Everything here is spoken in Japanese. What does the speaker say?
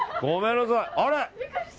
あれ？